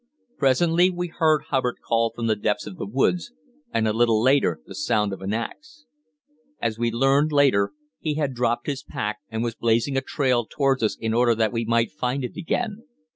Presently we heard Hubbard call from the depths of the woods, and a little later the sound of an axe. As we learned later, he had dropped his pack, and was blazing a trail towards us in order that he might find it again.